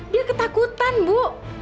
dia ketakutan bu